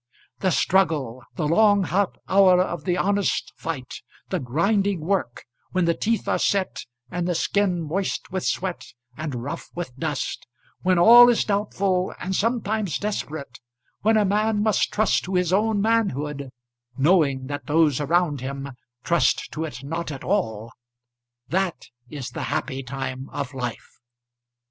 The struggle, the long hot hour of the honest fight, the grinding work, when the teeth are set, and the skin moist with sweat and rough with dust, when all is doubtful and sometimes desperate, when a man must trust to his own manhood knowing that those around him trust to it not at all, that is the happy time of life.